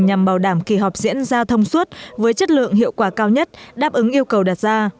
nhằm bảo đảm kỳ họp diễn ra thông suốt với chất lượng hiệu quả cao nhất đáp ứng yêu cầu đặt ra